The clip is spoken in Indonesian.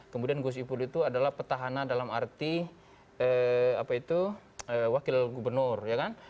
kemudian gus ipul itu adalah petahana dalam arti apa itu wakil gubernur ya kan